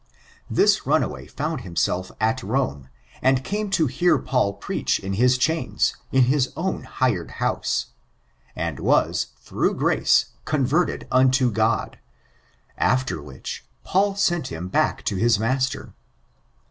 This runaway found himself at Rome, and came to hear Paul preach in his chains, in his own hired house ; and was, through grace, converted unto God ; afler which, Paul sent him back to his master.